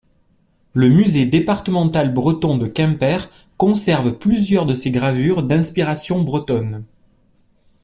Le musée départemental breton de Quimper conserve plusieurs de ses gravures d'inspiration bretonne.